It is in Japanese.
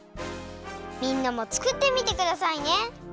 みんなもつくってみてくださいね！